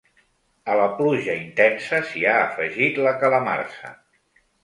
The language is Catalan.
A la pluja intensa s’hi ha afegit la calamarsa.